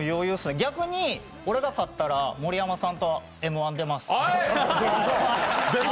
逆に俺が負けたら盛山さんとＭ−１出ます。